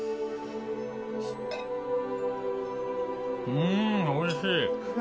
うんおいしいフ